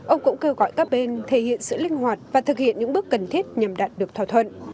ông cũng kêu gọi các bên thể hiện sự linh hoạt và thực hiện những bước cần thiết nhằm đạt được thỏa thuận